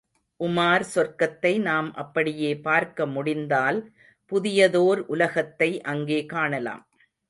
உமார் சொர்க்கத்தை நாம் அப்படியே பார்க்க முடிந்தால் புதியதோர் உலகத்தை அங்கே காணலாம்.